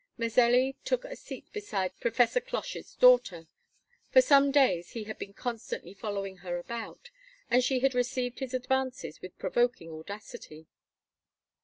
Mazelli took a seat beside Professor Cloche's daughter. For some days he had been constantly following her about; and she had received his advances with provoking audacity.